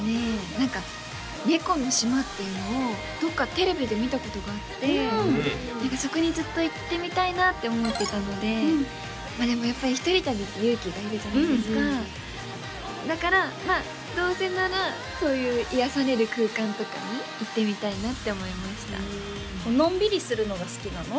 何か猫の島っていうのをどっかテレビで見たことがあってそこにずっと行ってみたいなって思ってたのででもやっぱりひとり旅って勇気がいるじゃないですかだからどうせならそういう癒やされる空間とかに行ってみたいなって思いましたのんびりするのが好きなの？